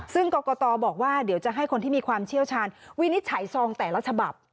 ซึ่งกรกตบอกว่าเดี๋ยวจะให้คนที่มีความเชี่ยวชาญวินิจฉัยซองแต่ละฉบับ